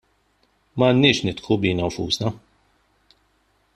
M'għandniex nidħku bina nfusna.